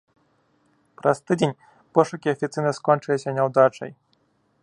Праз тыдзень пошукі афіцыйна скончыліся няўдачай.